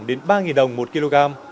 đến ba đồng một kg